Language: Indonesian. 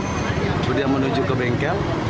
kemudian menuju ke bengkel